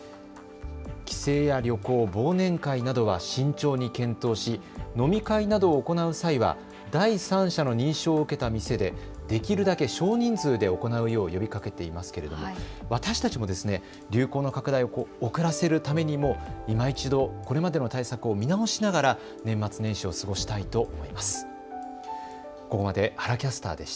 帰省や旅行、忘年会などは慎重に検討し、飲み会などを行う際は第三者の認証を受けた店でできるだけ少人数で行うよう呼びかけていますけれども私たちも流行の拡大を遅らせるためにもいま一度、これまでの対策を見直しながら年末年始を過ごしたいと思います。